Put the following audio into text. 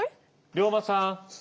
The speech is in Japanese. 龍馬さん？